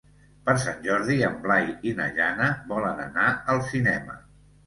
Per Sant Jordi en Blai i na Jana volen anar al cinema.